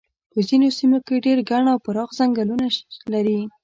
په ځینو سیمو کې ډېر ګڼ او پراخ څنګلونه لري.